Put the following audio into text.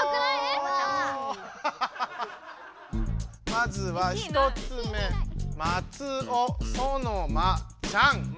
まずは１つ目「まつおそのまちゃん」。